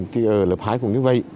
tựa lớp hai cũng như vậy